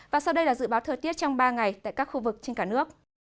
và sau đây là dự báo thời tiết trong ba ngày tại các khu vực trên cả nước